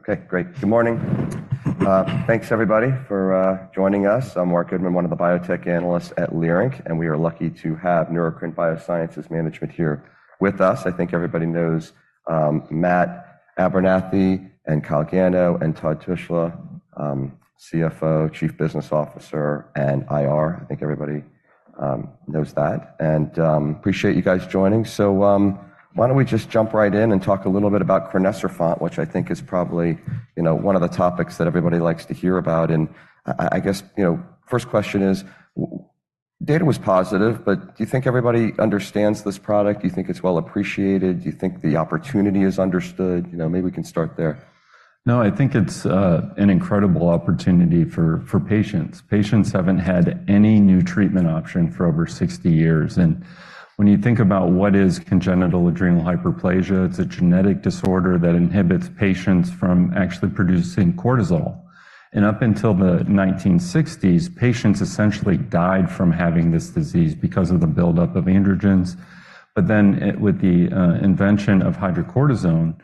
Okay. Great. Good morning. Thanks, everybody, for joining us. I'm Marc Goodman, one of the biotech analysts at Leerink, and we are lucky to have Neurocrine Biosciences management here with us. I think everybody knows Matt Abernethy and Kyle Gano and Todd Tushla, CFO, Chief Business Officer, and IR. I think everybody knows that. Appreciate you guys joining. So why don't we just jump right in and talk a little bit about crinecerfont, which I think is probably one of the topics that everybody likes to hear about. I guess first question is, data was positive, but do you think everybody understands this product? Do you think it's well appreciated? Do you think the opportunity is understood? Maybe we can start there. No, I think it's an incredible opportunity for patients. Patients haven't had any new treatment option for over 60 years and when you think about what is congenital adrenal hyperplasia, it's a genetic disorder that inhibits patients from actually producing cortisol and up until the 1960s, patients essentially died from having this disease because of the buildup of androgens. But then with the invention of hydrocortisone,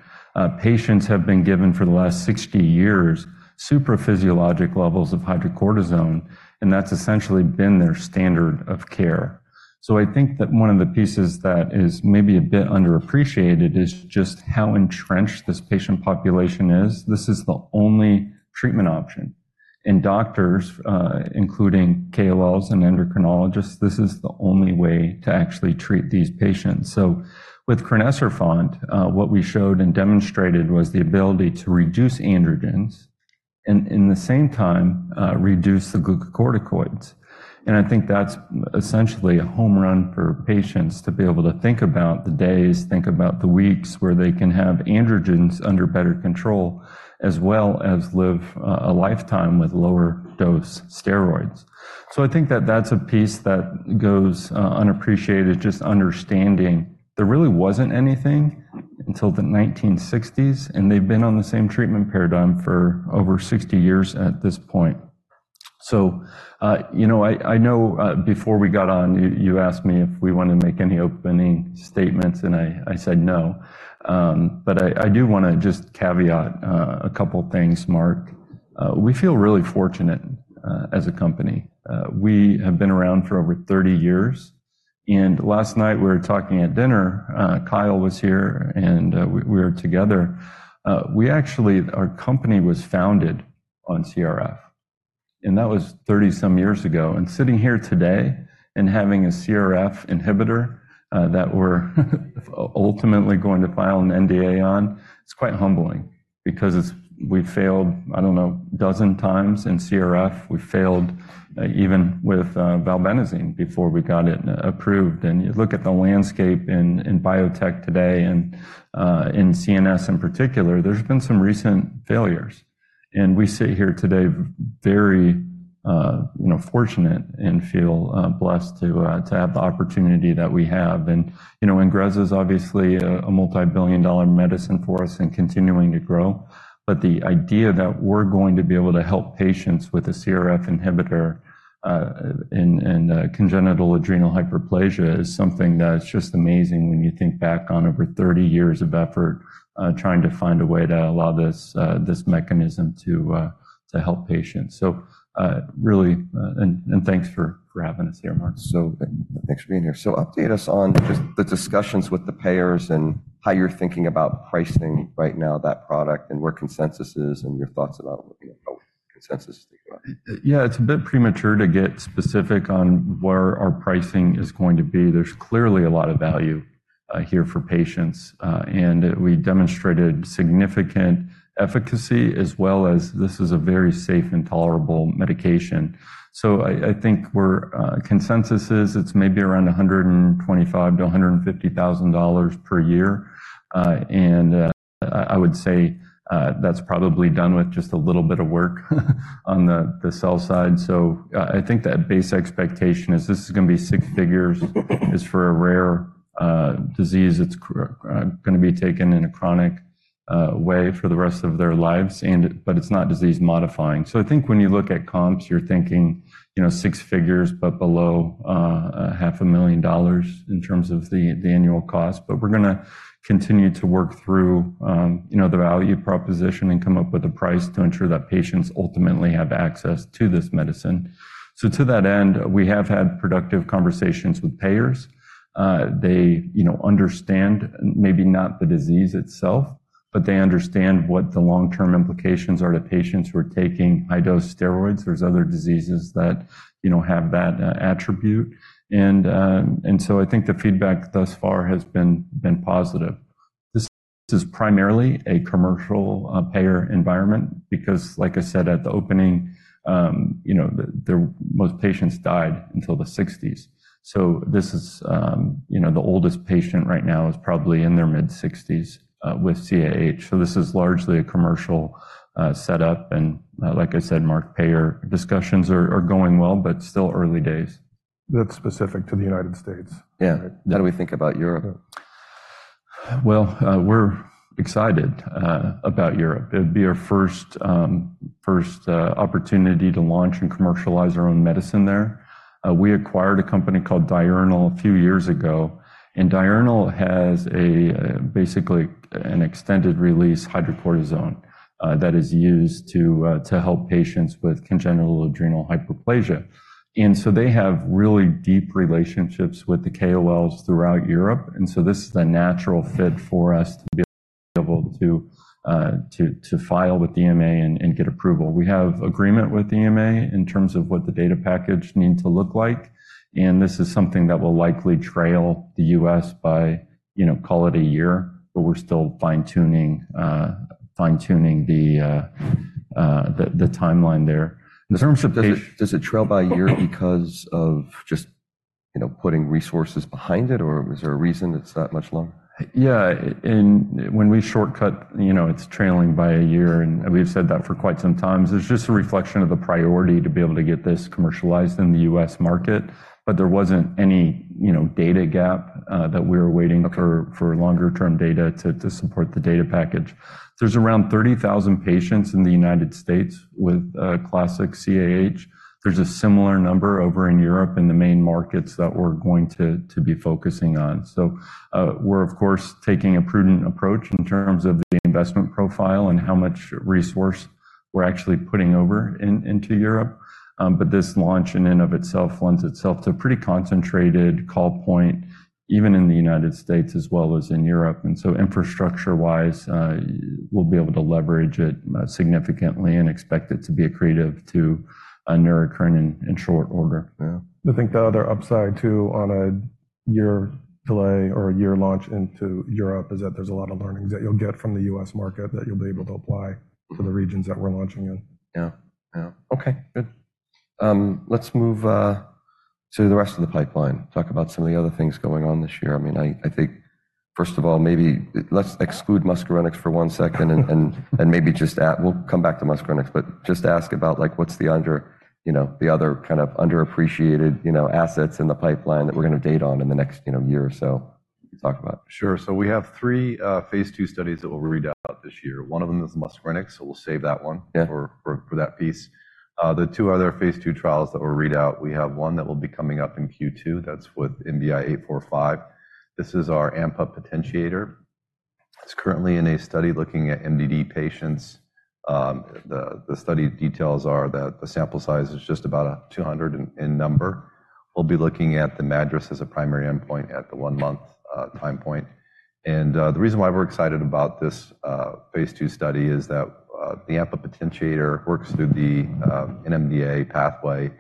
patients have been given for the last 60 years supraphysiologic levels of hydrocortisone, and that's essentially been their standard of care. So I think that one of the pieces that is maybe a bit underappreciated is just how entrenched this patient population is. This is the only treatment option. And doctors, including KOLs and endocrinologists, this is the only way to actually treat these patients. So with crinecerfont, what we showed and demonstrated was the ability to reduce androgens and in the same time reduce the glucocorticoids. And I think that's essentially a home run for patients to be able to think about the days, think about the weeks where they can have androgens under better control, as well as live a lifetime with lower dose steroids. So I think that that's a piece that goes unappreciated, just understanding there really wasn't anything until the 1960s, and they've been on the same treatment paradigm for over 60 years at this point. So I know before we got on, you asked me if we wanted to make any opening statements, and I said no. But I do want to just caveat a couple of things, Marc. We feel really fortunate as a company. We have been around for over 30 years. Last night we were talking at dinner, Kyle was here, and we were together. Our company was founded on CRF, and that was 30-some years ago, and sitting here today and having a CRF inhibitor that we're ultimately going to file an NDA on, it's quite humbling. Because we've failed, I don't know, a dozen times in CRF. We've failed even with valbenazine before we got it approved. And you look at the landscape in biotech today, and in CNS in particular, there's been some recent failures. And we sit here today very fortunate and feel blessed to have the opportunity that we have. And INGREZZA is obviously a multibillion-dollar medicine for us and continuing to grow. But the idea that we're going to be able to help patients with a CRF inhibitor in congenital adrenal hyperplasia is something that's just amazing when you think back on over 30 years of effort trying to find a way to allow this mechanism to help patients. So really, and thanks for having us here, Marc. Thanks for being here. Update us on just the discussions with the payers and how you're thinking about pricing right now, that product, and what consensus is and your thoughts about what consensus is thinking about? Yeah, it's a bit premature to get specific on where our pricing is going to be. There's clearly a lot of value here for patients. We demonstrated significant efficacy, as well as this is a very safe and tolerable medication. So I think consensus is it's maybe around $125,000-$150,000 per year. I would say that's probably done with just a little bit of work on the sell side. So I think that base expectation is this is going to be six figures, is for a rare disease. It's going to be taken in a chronic way for the rest of their lives, but it's not disease-modifying. So I think when you look at comps, you're thinking six figures, but below $500,000 in terms of the annual cost. But we're going to continue to work through the value proposition and come up with a price to ensure that patients ultimately have access to this medicine. So to that end, we have had productive conversations with payers. They understand maybe not the disease itself, but they understand what the long-term implications are to patients who are taking high-dose steroids. There's other diseases that have that attribute. And so I think the feedback thus far has been positive. This is primarily a commercial payer environment. Because like I said at the opening, most patients died until the 1960s. So the oldest patient right now is probably in their mid-60s with CAH. So this is largely a commercial setup and like I said, Marc, payer discussions are going well, but still early days. That's specific to the United States. Yeah. Right? How do we think about Europe? Well, we're excited about Europe. It would be our first opportunity to launch and commercialize our own medicine there. We acquired a company called Diurnal a few years ago. Diurnal has basically an extended-release hydrocortisone that is used to help patients with congenital adrenal hyperplasia. So they have really deep relationships with the KOLs throughout Europe. So this is a natural fit for us to be able to file with the EMA and get approval. We have agreement with the EMA in terms of what the data package needs to look like. This is something that will likely trail the U.S. by, call it a year. But we're still fine-tuning the timeline there. In terms of does it trail by a year because of just putting resources behind it, or is there a reason it's that much longer? Yeah. And when we shortcut, it's trailing by a year. And we've said that for quite some time. It's just a reflection of the priority to be able to get this commercialized in the U.S. market. But there wasn't any data gap that we were waiting for longer-term data to support the data package. There's around 30,000 patients in the United States with classic CAH. There's a similar number over in Europe in the main markets that we're going to be focusing on. So we're, of course, taking a prudent approach in terms of the investment profile and how much resource we're actually putting over into Europe. But this launch in and of itself lends itself to a pretty concentrated call point, even in the United States, as well as in Europe. So infrastructure-wise, we'll be able to leverage it significantly and expect it to be accretive to Neurocrine in short order. Yeah. I think the other upside, too, on a year delay or a year launch into Europe is that there's a lot of learnings that you'll get from the U.S. market that you'll be able to apply to the regions that we're launching in. Yeah. Yeah. Okay. Good. Let's move to the rest of the pipeline. Talk about some of the other things going on this year. I mean, I think, first of all, maybe let's exclude muscarinic for one second and maybe just we'll come back to muscarinic, but just ask about what's the other kind of underappreciated assets in the pipeline that we're going to date on in the next year or so? Talk about. Sure. So we have three phase II studies that we'll read out this year. One of them is muscarinic, so we'll save that one for that piece. The two other phase II trials that we'll read out, we have one that will be coming up in Q2. That's with NBI-845. This is our AMPA potentiator. It's currently in a study looking at MDD patients. The study details are that the sample size is just about 200 in number. We'll be looking at the MADRS as a primary endpoint at the one-month time point. And the reason why we're excited about this phase II study is that the AMPA potentiator works through the NMDA pathway.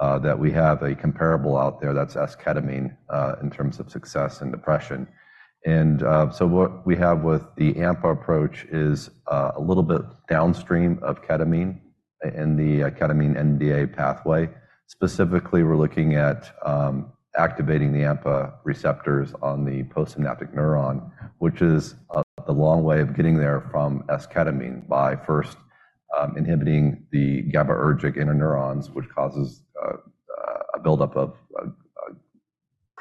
That we have a comparable out there that's esketamine in terms of success in depression. What we have with the AMPA approach is a little bit downstream of ketamine in the ketamine NDA pathway. Specifically, we're looking at activating the AMPA receptors on the postsynaptic neuron, which is the long way of getting there from esketamine by first inhibiting the GABAergic interneurons, which causes a buildup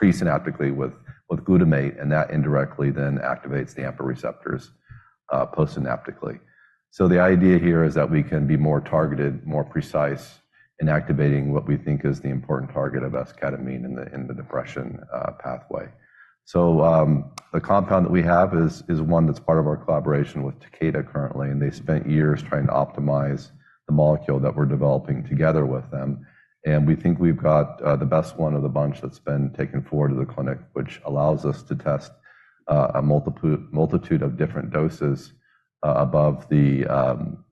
presynaptically with glutamate. And that indirectly then activates the AMPA receptors postsynaptically. So the idea here is that we can be more targeted, more precise in activating what we think is the important target of esketamine in the depression pathway. So the compound that we have is one that's part of our collaboration with Takeda currently and they spent years trying to optimize the molecule that we're developing together with them. We think we've got the best one of the bunch that's been taken forward to the clinic, which allows us to test a multitude of different doses above the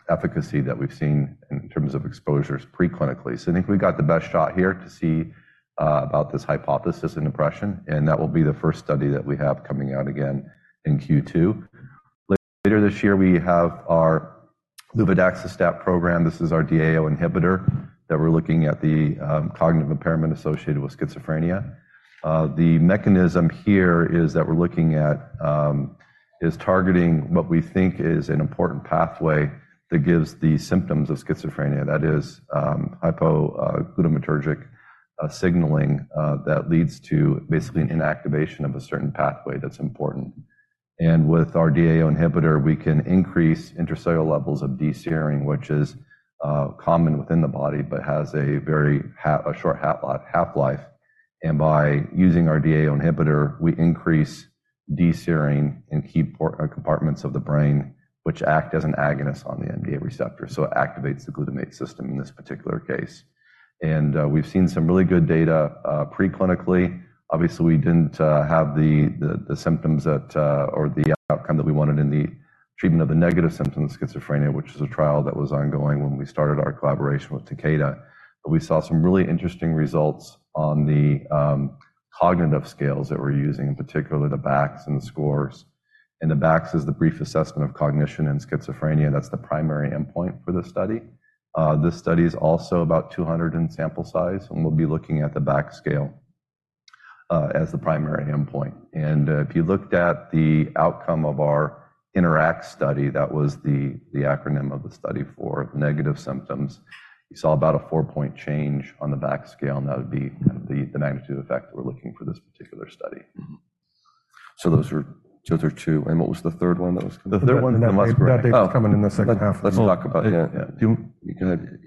efficacy that we've seen in terms of exposures preclinically. So I think we've got the best shot here to see about this hypothesis in depression. And that will be the first study that we have coming out again in Q2. Later this year, we have our luvadaxistat program. This is our DAAO inhibitor that we're looking at the cognitive impairment associated with schizophrenia. The mechanism here is that we're looking at is targeting what we think is an important pathway that gives the symptoms of schizophrenia. That is hypoglutamatergic signaling that leads to basically an inactivation of a certain pathway that's important. And with our DAAO inhibitor, we can increase intracellular levels of D-serine, which is common within the body but has a very short half-life. And by using our DAAO inhibitor, we increase D-serine in key compartments of the brain, which act as an agonist on the NMDA receptor. So it activates the glutamate system in this particular case and we've seen some really good data preclinically. Obviously, we didn't have the symptoms or the outcome that we wanted in the treatment of the negative symptoms of schizophrenia, which is a trial that was ongoing when we started our collaboration with Takeda. But we saw some really interesting results on the cognitive scales that we're using, in particular the BACS and the scores. And the BACS is the brief assessment of cognition in schizophrenia. That's the primary endpoint for this study. This study is also about 200 in sample size. And we'll be looking at the BACS scale as the primary endpoint and if you looked at the outcome of our INTERACT study, that was the acronym of the study for negative symptoms. You saw about a four-point change on the BACS scale. And that would be the magnitude effect that we're looking for this particular study. So those are two. And what was the third one that was coming? The third one? Yeah. That day was coming in the second half. Let's talk about yeah. Go ahead.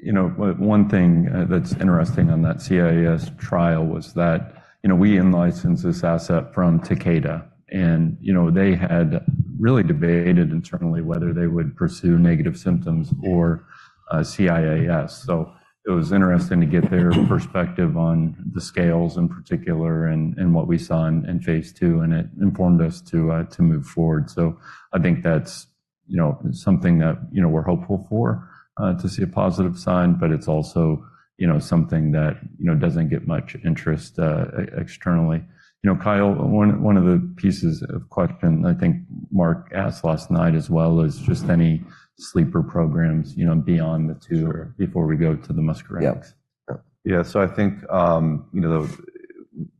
One thing that's interesting on that CIAS trial was that we in-licensed this asset from Takeda. And they had really debated internally whether they would pursue negative symptoms or CIAS. So it was interesting to get their perspective on the scales in particular and what we saw in phase II. And it informed us to move forward. So I think that's something that we're hopeful for, to see a positive sign. But it's also something that doesn't get much interest externally. Kyle, one of the pieces of question I think Marc asked last night as well is just any sleeper programs beyond the two before we go to the muscarinic? Yeah. Yeah. So I think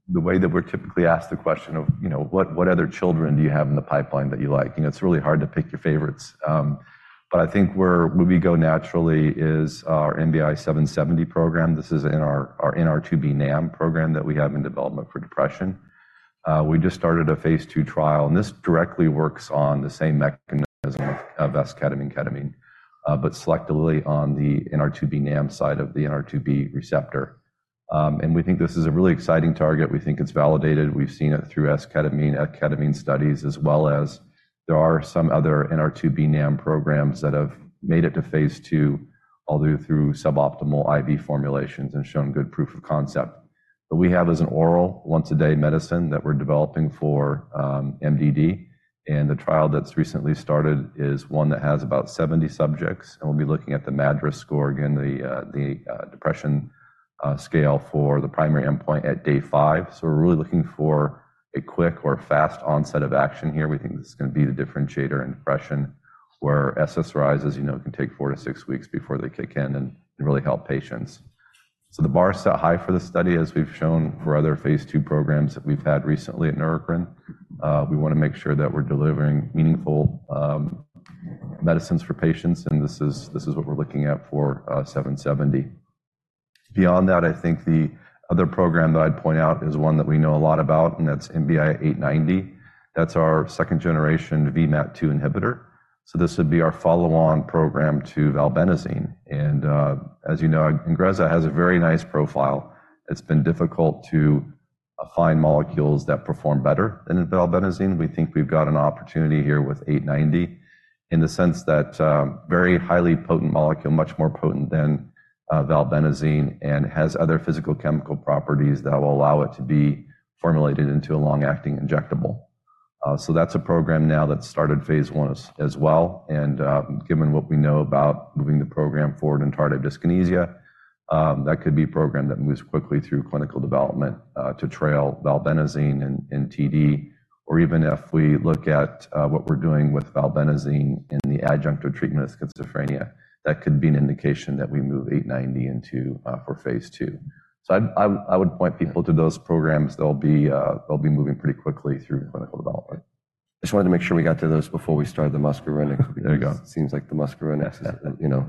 the way that we're typically asked the question of what other candidates do you have in the pipeline that you like? It's really hard to pick your favorites. But I think where we go naturally is our NBI-770 program. This is an NR2B NAM program that we have in development for depression. We just started a phase II trial, and this directly works on the same mechanism of esketamine-ketamine, but selectively on the NR2B NAM side of the NR2B receptor, and we think this is a really exciting target. We think it's validated. We've seen it through esketamine, ketamine studies, as well as there are some other NR2B NAM programs that have made it to phase II, although through suboptimal IV formulations and shown good proof of concept but we have an oral once-a-day medicine that we're developing for MDD. The trial that's recently started is one that has about 70 subjects. We'll be looking at the MADRS score again, the depression scale for the primary endpoint at day five. We're really looking for a quick or fast onset of action here. We think this is going to be the differentiator in depression, where SSRIs can take 4-6 weeks before they kick in and really help patients. The bar is set high for the study, as we've shown for other phase II programs that we've had recently at Neurocrine. We want to make sure that we're delivering meaningful medicines for patients. This is what we're looking at for 770. Beyond that, I think the other program that I'd point out is one that we know a lot about. That's NBI-890. That's our second-generation VMAT2 inhibitor. So this would be our follow-on program to valbenazine. As you know, INGREZZA has a very nice profile. It's been difficult to find molecules that perform better than valbenazine. We think we've got an opportunity here with 890, in the sense that very highly potent molecule, much more potent than valbenazine, and has other physicochemical properties that will allow it to be formulated into a long-acting injectable. So that's a program now that's started phase I as well. Given what we know about moving the program forward in tardive dyskinesia, that could be a program that moves quickly through clinical development to trial valbenazine and TD. Even if we look at what we're doing with valbenazine in the adjunct of treatment of schizophrenia, that could be an indication that we move 890 into for phase II. So I would point people to those programs. They'll be moving pretty quickly through clinical development. I just wanted to make sure we got to those before we started the muscarinic. There you go. It seems like the muscarinic,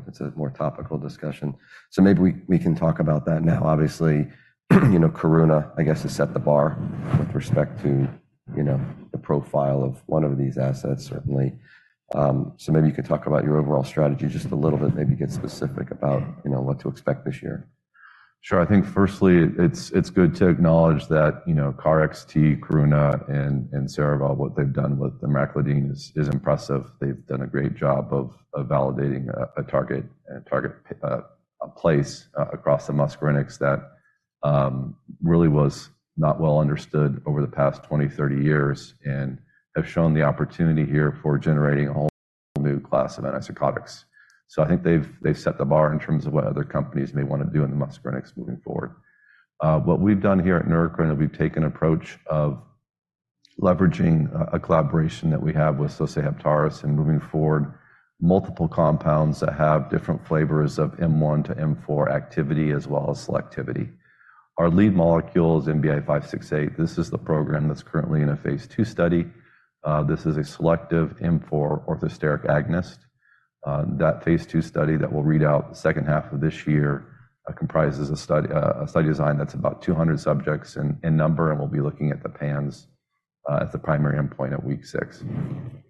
it's a more topical discussion. So maybe we can talk about that now. Obviously, Karuna, I guess, has set the bar with respect to the profile of one of these assets, certainly. So maybe you could talk about your overall strategy just a little bit, maybe get specific about what to expect this year. Sure. I think, firstly, it's good to acknowledge that KarXT, Karuna, and Cerevel, what they've done with the emraclidine is impressive. They've done a great job of validating a target space across the muscarinic that really was not well understood over the past 20-30 years. And have shown the opportunity here for generating a whole new class of antipsychotics. So I think they've set the bar in terms of what other companies may want to do in the muscarinic moving forward. What we've done here at Neurocrine is we've taken an approach of leveraging a collaboration that we have with Sosei Heptares and moving forward multiple compounds that have different flavors of M1 to M4 activity, as well as selectivity. Our lead molecule is NBI-568. This is the program that's currently in a phase II study. This is a selective M4 orthosteric agonist. That phase II study that we'll read out the second half of this year comprises a study design that's about 200 subjects in number. We'll be looking at the PANSS as the primary endpoint at week six.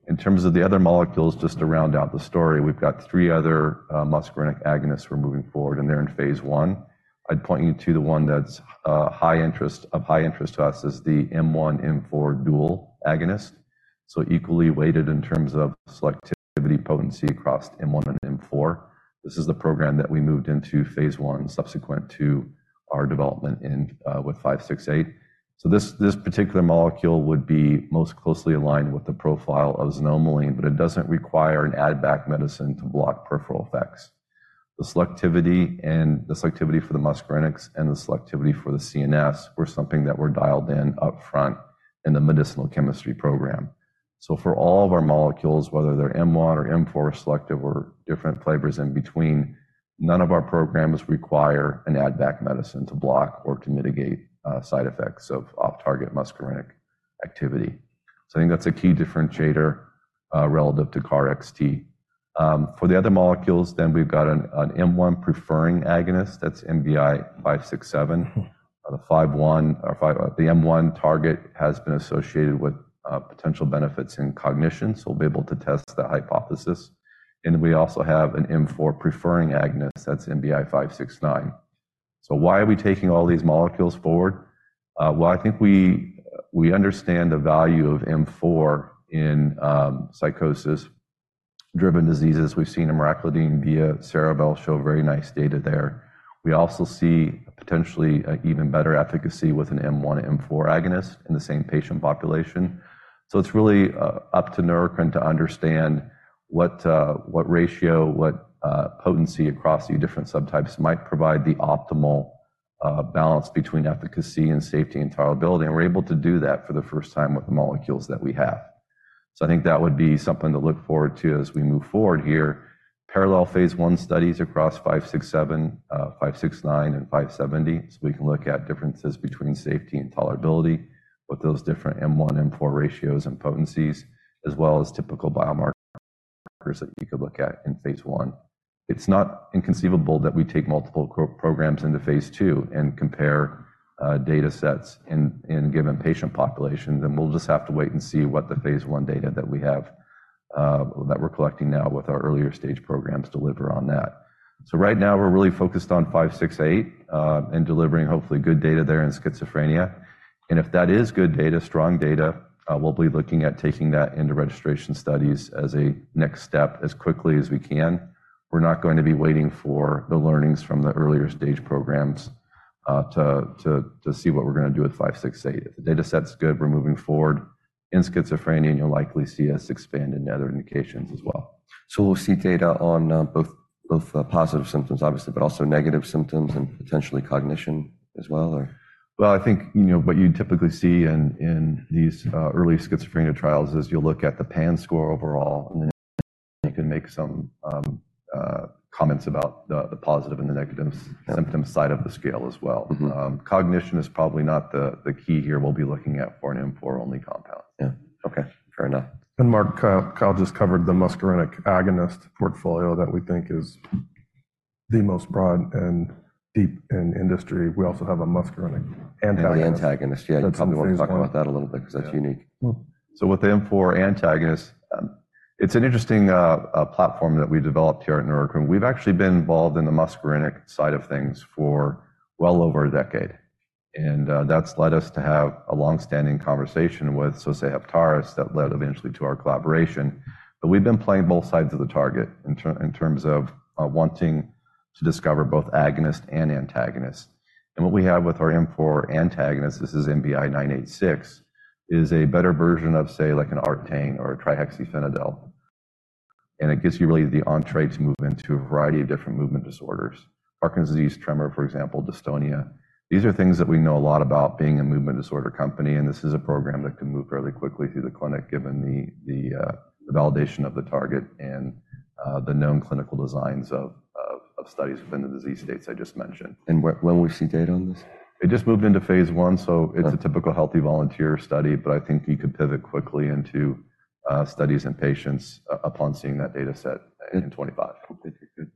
In terms of the other molecules, just to round out the story, we've got three other muscarinic agonists we're moving forward. They're in phase I. I'd point you to the one that's of high interest to us is the M1-M4 dual agonist. Equally weighted in terms of selectivity potency across M1 and M4. This is the program that we moved into phase I subsequent to our development with 568. This particular molecule would be most closely aligned with the profile of xanomeline but it doesn't require an added back medicine to block peripheral effects. The selectivity for the muscarinic and the selectivity for the CNS were something that were dialed in upfront in the medicinal chemistry program. So for all of our molecules, whether they're M1 or M4 selective or different flavors in between, none of our programs require an add-back medicine to block or to mitigate side effects of off-target muscarinic activity. So I think that's a key differentiator relative to KarXT. For the other molecules, then we've got an M1 preferring agonist. That's NBI-567. The M1 target has been associated with potential benefits in cognition. So we'll be able to test that hypothesis. And we also have an M4 preferring agonist. That's NBI-569. So why are we taking all these molecules forward? Well, I think we understand the value of M4 in psychosis-driven diseases. We've seen emraclidine via Cerevel show very nice data there. We also see potentially even better efficacy with an M1-M4 agonist in the same patient population. It's really up to Neurocrine to understand what ratio, what potency across the different subtypes might provide the optimal balance between efficacy and safety and tolerability. We're able to do that for the first time with the molecules that we have. I think that would be something to look forward to as we move forward here. Parallel phase I studies across 567, 569, and 570. We can look at differences between safety and tolerability, with those different M1, M4 ratios and potencies, as well as typical biomarkers that you could look at in phase I. It's not inconceivable that we take multiple programs into phase II and compare data sets in given patient populations. We'll just have to wait and see what the phase I data that we have that we're collecting now with our earlier stage programs deliver on that. Right now, we're really focused on 568 and delivering, hopefully, good data there in schizophrenia. If that is good data, strong data, we'll be looking at taking that into registration studies as a next step as quickly as we can. We're not going to be waiting for the learnings from the earlier stage programs to see what we're going to do with 568. If the data set's good, we're moving forward in schizophrenia. You'll likely see us expand in other indications as well. We'll see data on both positive symptoms, obviously, but also negative symptoms and potentially cognition as well, or? Well, I think what you typically see in these early schizophrenia trials is you'll look at the PANSS score overall. And then you can make some comments about the positive and the negative symptoms side of the scale as well. Cognition is probably not the key here we'll be looking at for an M4-only compound. Yeah. Okay. Fair enough. Marc, Kyle just covered the muscarinic agonist portfolio that we think is the most broad and deep in industry. We also have a muscarinic antagonist. The antagonist. Yeah. You probably want to talk about that a little bit because that's unique. So with the M4 antagonist, it's an interesting platform that we've developed here at Neurocrine. We've actually been involved in the muscarinic side of things for well over a decade. That's led us to have a longstanding conversation with Sosei Heptares that led eventually to our collaboration. But we've been playing both sides of the target in terms of wanting to discover both agonist and antagonist. What we have with our M4 antagonist, this is NBI-986, is a better version of, say, an Artane or a trihexyphenidyl. It gives you really the entrée to move into a variety of different movement disorders. Parkinson's disease, tremor, for example, dystonia. These are things that we know a lot about being a movement disorder company. This is a program that can move fairly quickly through the clinic, given the validation of the target and the known clinical designs of studies within the disease states I just mentioned. When will we see data on this? It just moved into phase I. It's a typical healthy volunteer study. I think you could pivot quickly into studies in patients upon seeing that data set in 2025.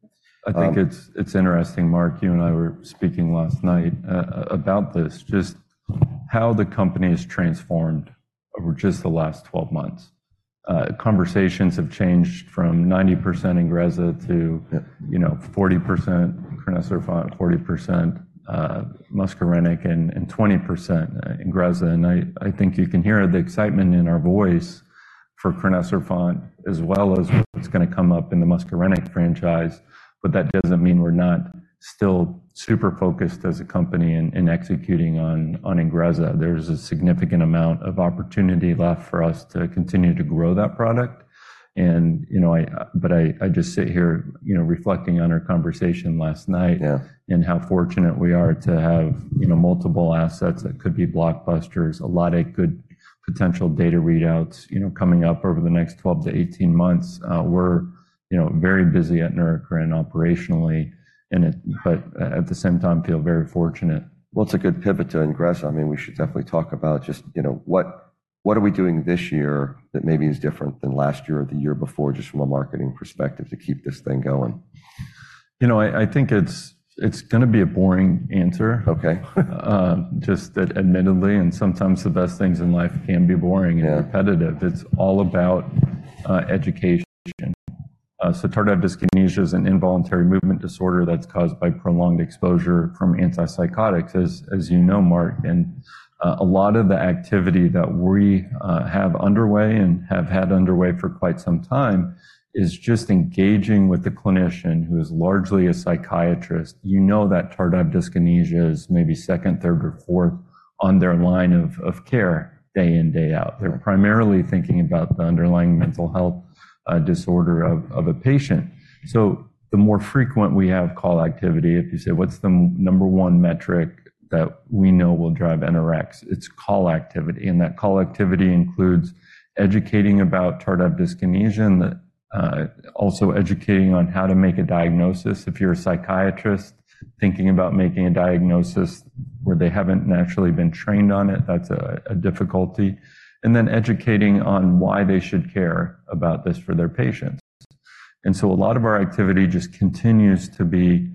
I think it's interesting, Marc. You and I were speaking last night about this, just how the company has transformed over just the last 12 months. Conversations have changed from 90% INGREZZA to 40%, crinecerfont 40%, muscarinic, and 20% INGREZZA and I think you can hear the excitement in our voice for crinecerfont, as well as what's going to come up in the muscarinic franchise. But that doesn't mean we're not still super focused as a company in executing on INGREZZA. There's a significant amount of opportunity left for us to continue to grow that product. But I just sit here reflecting on our conversation last night and how fortunate we are to have multiple assets that could be blockbusters, a lot of good potential data readouts coming up over the next 12-18 months. We're very busy at Neurocrine operationally, but at the same time, feel very fortunate. Well, it's a good pivot to INGREZZA. I mean, we should definitely talk about just what are we doing this year that maybe is different than last year or the year before, just from a marketing perspective, to keep this thing going? I think it's going to be a boring answer, just admittedly. Sometimes the best things in life can be boring and repetitive. It's all about education. Tardive dyskinesia is an involuntary movement disorder that's caused by prolonged exposure from antipsychotics, as you know, Marc. A lot of the activity that we have underway and have had underway for quite some time is just engaging with the clinician who is largely a psychiatrist. You know that tardive dyskinesia is maybe second, third, or fourth on their line of care day in, day out. They're primarily thinking about the underlying mental health disorder of a patient. The more frequent we have call activity, if you say, "What's the number one metric that we know will drive NRX?" it's call activity. That call activity includes educating about tardive dyskinesia, also educating on how to make a diagnosis if you're a psychiatrist, thinking about making a diagnosis where they haven't naturally been trained on it. That's a difficulty. Then educating on why they should care about this for their patients. So a lot of our activity just continues to be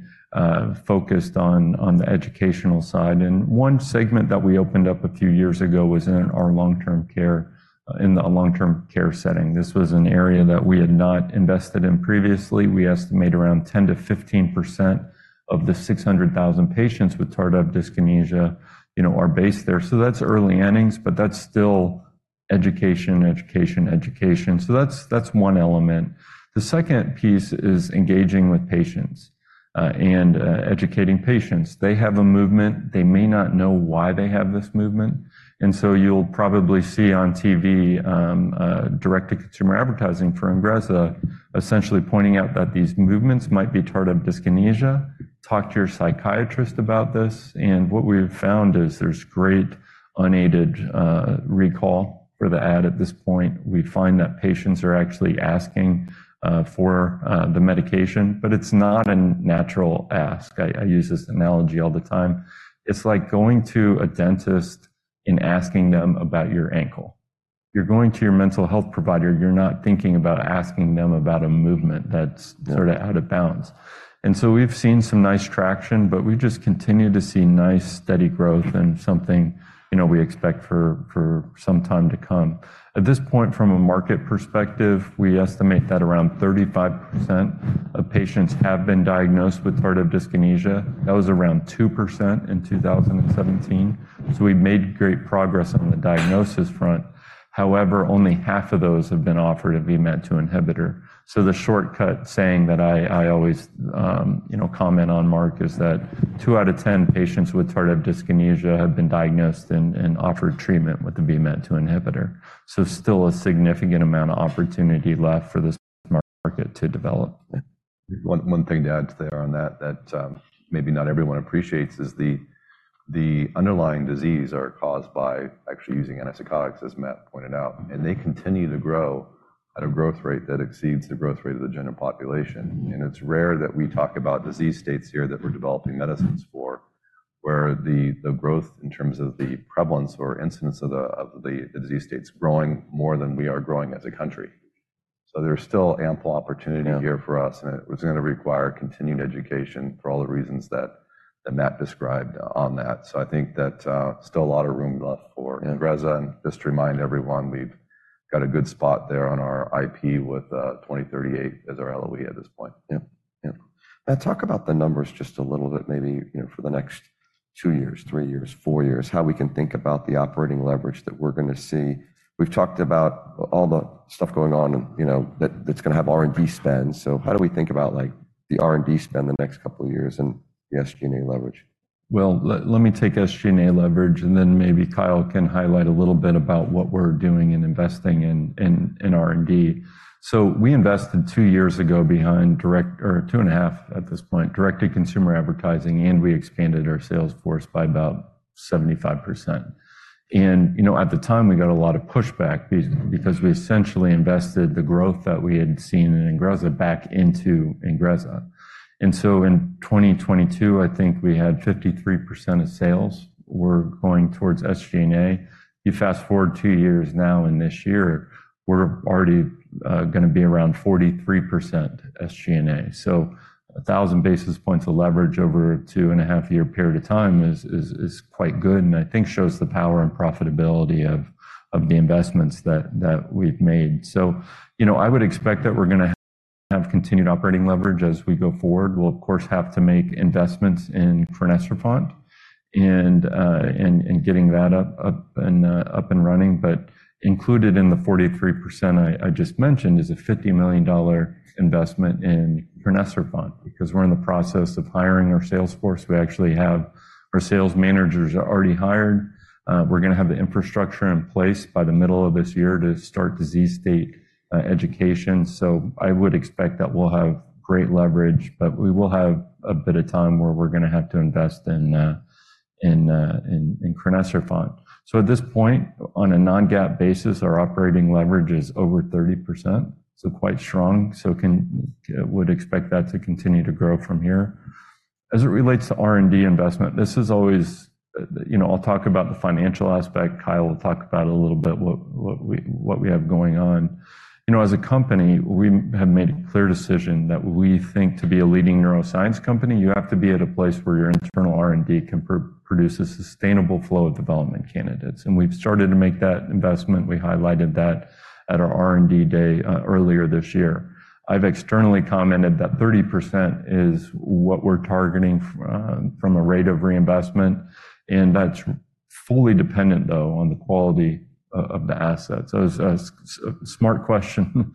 focused on the educational side. One segment that we opened up a few years ago was in our long-term care in the long-term care setting. This was an area that we had not invested in previously. We estimate around 10%-15% of the 600,000 patients with tardive dyskinesia are based there. So that's early innings. But that's still education, education, education. So that's one element. The second piece is engaging with patients and educating patients. They have a movement. They may not know why they have this movement. And so you'll probably see on TV direct-to-consumer advertising for INGREZZA essentially pointing out that these movements might be tardive dyskinesia. Talk to your psychiatrist about this. And what we've found is there's great unaided recall for the ad at this point. We find that patients are actually asking for the medication. But it's not a natural ask. I use this analogy all the time. It's like going to a dentist and asking them about your ankle. You're going to your mental health provider. You're not thinking about asking them about a movement that's sort of out of bounds. And so we've seen some nice traction. But we just continue to see nice, steady growth and something we expect for some time to come. At this point, from a market perspective, we estimate that around 35% of patients have been diagnosed with tardive dyskinesia. That was around 2% in 2017. So we've made great progress on the diagnosis front. However, only half of those have been offered a VMAT2 inhibitor. So the shortcut saying that I always comment on, Marc, is that two out of 10 patients with tardive dyskinesia have been diagnosed and offered treatment with a VMAT2 inhibitor. So still a significant amount of opportunity left for this market to develop. One thing to add to there on that, that maybe not everyone appreciates, is the underlying diseases are caused by actually using antipsychotics, as Matt pointed out. They continue to grow at a growth rate that exceeds the growth rate of the general population. It's rare that we talk about disease states here that we're developing medicines for, where the growth in terms of the prevalence or incidence of the disease states is growing more than we are growing as a country. So there's still ample opportunity here for us. It was going to require continued education for all the reasons that Matt described on that. I think that still a lot of room left for INGREZZA. Just to remind everyone, we've got a good spot there on our IP with 2038 as our LOE at this point. Yeah. Yeah. Matt, talk about the numbers just a little bit, maybe for the next two years, three years, four years, how we can think about the operating leverage that we're going to see. We've talked about all the stuff going on that's going to have R&D spend. So how do we think about the R&D spend the next couple of years and the SG&A leverage? Well, let me take SG&A leverage. And then maybe Kyle can highlight a little bit about what we're doing and investing in R&D. So we invested two years ago behind two and a half at this point, direct-to-consumer advertising. And we expanded our sales force by about 75%. And at the time, we got a lot of pushback because we essentially invested the growth that we had seen in INGREZZA back into INGREZZA. And so in 2022, I think we had 53% of sales were going towards SG&A. You fast-forward two years now in this year, we're already going to be around 43% SG&A. So 1,000 basis points of leverage over a two and a half-year period of time is quite good and I think shows the power and profitability of the investments that we've made. So I would expect that we're going to have continued operating leverage as we go forward. We'll, of course, have to make investments in crinecerfont and getting that up and running. But included in the 43% I just mentioned is a $50 million investment in crinecerfont because we're in the process of hiring our sales force. We actually have our sales managers already hired. We're going to have the infrastructure in place by the middle of this year to start disease state education. So I would expect that we'll have great leverage. But we will have a bit of time where we're going to have to invest in crinecerfont. So at this point, on a non-GAAP basis, our operating leverage is over 30%. So quite strong. So I would expect that to continue to grow from here. As it relates to R&D investment, this is always, I'll talk about the financial aspect. Kyle will talk about a little bit what we have going on. As a company, we have made a clear decision that we think to be a leading neuroscience company, you have to be at a place where your internal R&D can produce a sustainable flow of development candidates. And we've started to make that investment. We highlighted that at our R&D day earlier this year. I've externally commented that 30% is what we're targeting from a rate of reinvestment. And that's fully dependent, though, on the quality of the assets. So it's a smart question.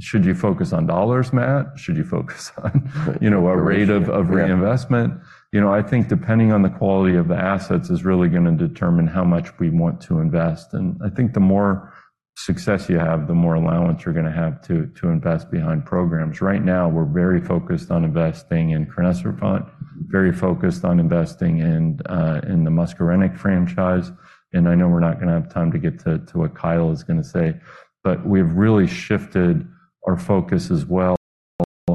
"Should you focus on dollars, Matt? Should you focus on a rate of reinvestment?" I think depending on the quality of the assets is really going to determine how much we want to invest. I think the more success you have, the more allowance you're going to have to invest behind programs. Right now, we're very focused on investing in crinecerfont, very focused on investing in the muscarinic franchise. I know we're not going to have time to get to what Kyle is going to say. But we've really shifted our focus as well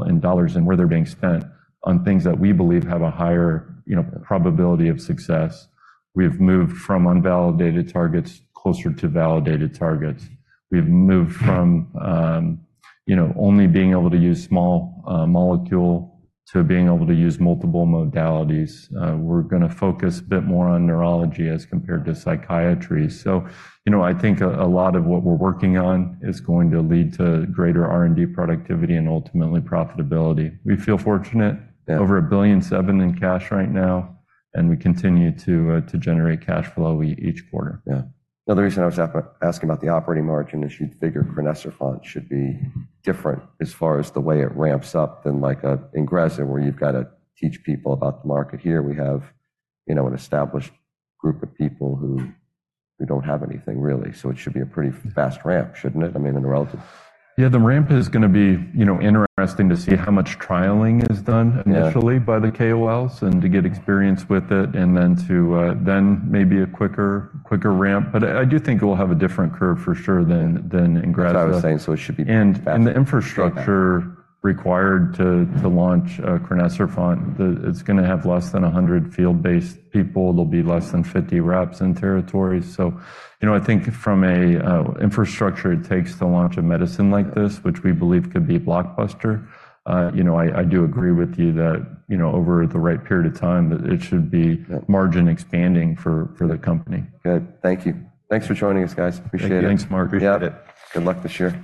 in dollars and where they're being spent on things that we believe have a higher probability of success. We've moved from unvalidated targets closer to validated targets. We've moved from only being able to use small molecules to being able to use multiple modalities. We're going to focus a bit more on neurology as compared to psychiatry. I think a lot of what we're working on is going to lead to greater R&D productivity and ultimately profitability. We feel fortunate. Over $1.7 billion in cash right now. We continue to generate cash flow each quarter. Yeah. Another reason I was asking about the operating margin is you'd figure crinecerfont should be different as far as the way it ramps up than INGREZZA, where you've got to teach people about the market. Here, we have an established group of people who don't have anything, really. So it should be a pretty fast ramp, shouldn't it? I mean, in a relative sense. Yeah. The ramp is going to be interesting to see how much trialing is done initially by the KOLs and to get experience with it and then maybe a quicker ramp. But I do think it will have a different curve for sure than INGREZZA. That's what I was saying. So it should be fast. The infrastructure required to launch crinecerfont, it's going to have less than 100 field-based people. There'll be less than 50 reps in territories. So I think from an infrastructure, it takes to launch a medicine like this, which we believe could be blockbuster. I do agree with you that over the right period of time, it should be margin expanding for the company. Good. Thank you. Thanks for joining us, guys. Appreciate it. Thanks, Marc. Appreciate it. Good luck this year.